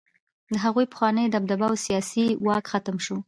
د هغوی پخوانۍ دبدبه او سیاسي واک ختم شو.